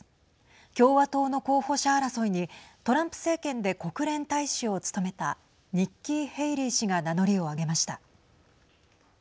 共和党の候補者争いにトランプ政権で国連大使を務めたニッキー・ヘイリー氏が名乗りを上げました。